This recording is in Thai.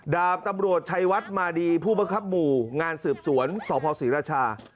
ดาบตำรวจชัยวัดมาดีผู้บังคับหมู่งานสืบสวนสพศรีราชา